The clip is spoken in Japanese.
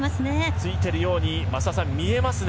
ついているように見えますね。